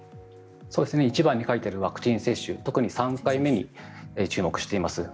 １番に書いてあるワクチン接種特に３回目に注目しています。